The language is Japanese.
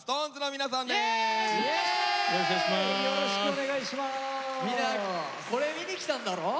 みんなこれ見に来たんだろ？